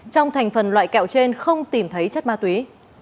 trong thành phần loại kẹo trên không tìm thấy chất ma túy